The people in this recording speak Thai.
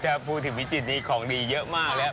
โอ้โฮแต่พูดถึงพิจิตรนี่ของดีเยอะมากแล้ว